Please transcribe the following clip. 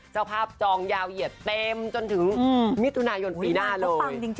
เจ้าภาพจองยาวเหยียดเต็มจนถึงมิถุนายนปีหน้าเลย